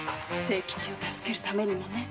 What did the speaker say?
清吉を助けるためにもね。